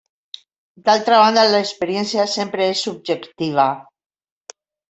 D'altra banda, l'experiència sempre és subjectiva.